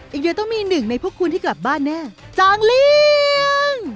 อีกเยอะต้องมีหนึ่งในพวกคุณที่กลับบ้านแน่จางเลี้ยง